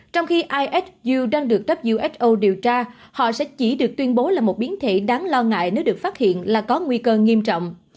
trong khi isu đang được who điều tra họ sẽ chỉ được tuyên bố là một biến thể đáng lo ngại nếu được phát hiện là có nguy cơ nghiêm trọng